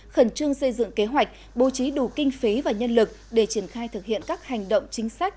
khẩn trương xây dựng kế hoạch bố trí đủ kinh phí và nhân lực để triển khai thực hiện các hành động chính sách